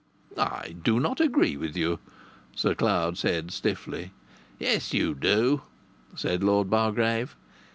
"I do not agree with you," Sir Cloud said stiffly. "Yes, you do," said Lord Bargrave.